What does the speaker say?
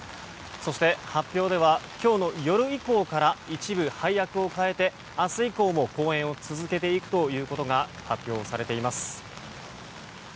そして発表では今日の夜以降から一部配役を変えて明日以降も公演を続けていくということが発表されています。